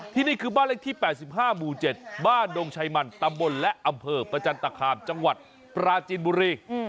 นี่คือบ้านเลขที่๘๕หมู่๗บ้านดงชัยมันตำบลและอำเภอประจันตคามจังหวัดปราจินบุรี